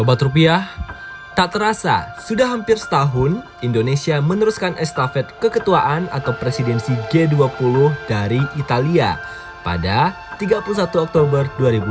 debat rupiah tak terasa sudah hampir setahun indonesia meneruskan estafet keketuaan atau presidensi g dua puluh dari italia pada tiga puluh satu oktober dua ribu dua puluh